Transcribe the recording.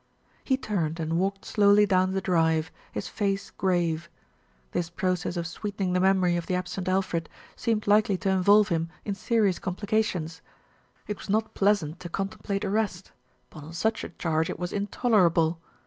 He turned and walked slowly down the drive, his face grave. This process of sweetening the memory of the absent Alfred seemed likely to involve him in serious complications. It was not pleasant to con template arrest; but on such a charge it was intolerable.